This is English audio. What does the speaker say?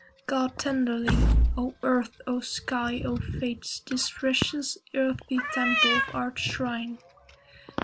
Guard tenderly, O earth, O sky, O fates, This precious earthly temple of Art's shrine!